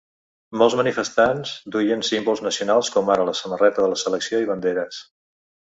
Molts manifestants duien símbols nacionals, com ara la samarreta de la selecció i banderes.